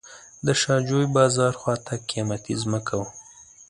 د شاه جوی بازار خواته قیمتي ځمکه وه.